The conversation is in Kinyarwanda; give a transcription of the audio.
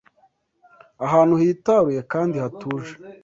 ahantu hitaruye kandi hatuje